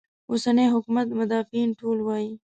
اوسني حکومت مدافعین ټول وایي.